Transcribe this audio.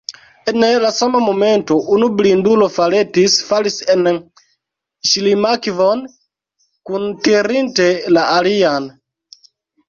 En la sama momento unu blindulo faletis, falis en ŝlimakvon, kuntirinte la alian.